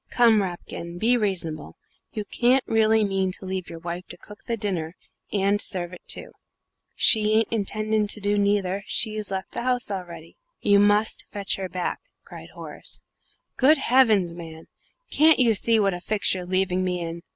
"Come, Rapkin, be reasonable. You can't really mean to leave your wife to cook the dinner, and serve it too!" "She ain't intending to do neither; she've left the house already." "You must fetch her back," cried Horace. "Good heavens, man, can't you see what a fix you're leaving me in?